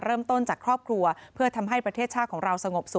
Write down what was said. เริ่มต้นจากครอบครัวเพื่อทำให้ประเทศชาติของเราสงบสุข